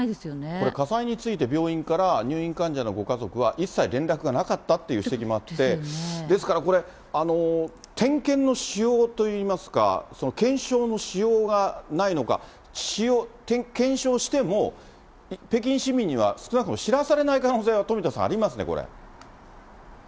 これ、火災について病院から入院患者のご家族は一切連絡はなかったって指摘もあって、ですから、これ、点検のしようといいますか、検証のしようがないのか、検証しても北京市民には少なくとも知らされない可能性は富田さん、ありますね、これ。